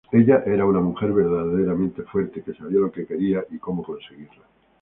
Ella era una mujer verdaderamente fuerte que sabía lo que quería y cómo conseguirlo".